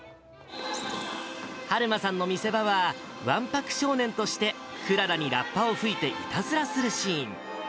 はるまさんの見せ場は、わんぱく少年として、クララにラッパを吹いていたずらするシーン。